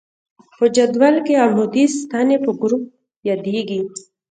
په جدول کې عمودي ستنې په ګروپ یادیږي.